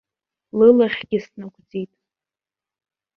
Лылахьгьы снагәӡит.